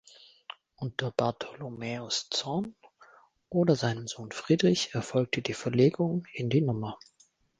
Unter Bartholomaeus Zorn oder seinem Sohn Friedrich erfolgte die Verlegung in die Nr.